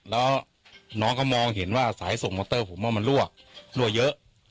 แล้วน้องเขามองเห็นว่าสายส่งมอเตอร์ผมว่ามันรั่วเยอะ